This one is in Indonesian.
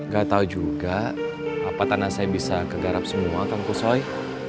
ga tau juga apa tanah saya bisa kegarap semua kan kusoi